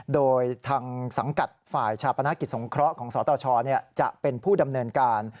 โดยทางสังกัดฝ่ายชาปนกิจสงเคราะห์ของสตชจะเป็นผู้ดำเนินการ